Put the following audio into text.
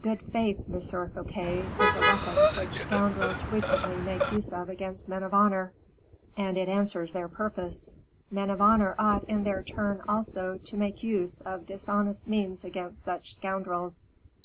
Good faith, M. Fouquet, is a weapon which scoundrels frequently make use of against men of honor, and it answers their purpose. Men of honor, ought, in their turn, also, to make use of dishonest means against such scoundrels.